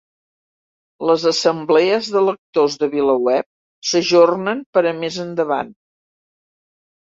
Les Assemblees de Lectors de VilaWeb s'ajornen per a més endavant